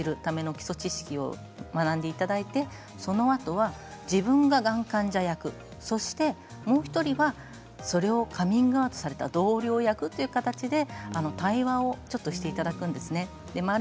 まずは正しくがんを知るための基礎知識を学んでいただいてそのあとは自分ががん患者役そしてもう１人はそれをカミングアウトされた同僚役という形で対話をちょっとしていただくんですね。